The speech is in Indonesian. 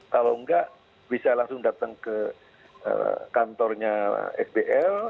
kalau enggak bisa langsung datang ke kantornya sdl